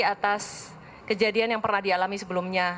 atas kejadian yang pernah dialami sebelumnya